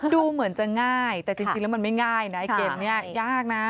ดูเหมือนจะง่ายแต่ยังไม่ง่ายนะ